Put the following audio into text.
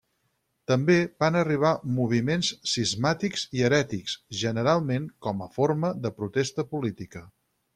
També van arribar moviments cismàtics i herètics, generalment com a forma de protesta política.